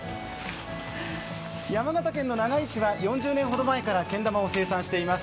山形県長井市は４０年ほど前からけん玉を生産しています。